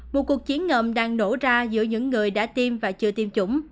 một cuộc chiến ngầm đang nổ ra giữa những người đã tiêm và chưa tiêm chủng